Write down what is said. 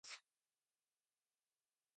سعودی Arab میں سرمایہ کاری لانے کے لیے بنائے گئے